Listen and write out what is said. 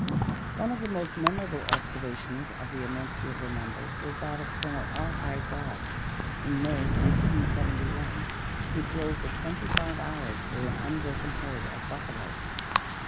One of the most memorable observations of the immensity of their numbers was that of Colonel R. I. Dodge in May, 187 1, who drove for twenty five hours through an unbroken herd of buffalo.